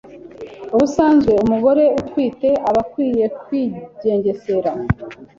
ubusanzwe umugore utwite aba akwiye kwigengesera.